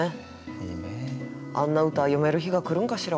あんな歌詠める日が来るんかしら？